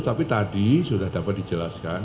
tapi tadi sudah dapat dijelaskan